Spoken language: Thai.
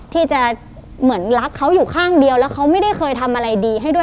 ที่จะเหมือนรักเขาอยู่ข้างเดียวแล้วเขาไม่ได้เคยทำอะไรดีให้ด้วย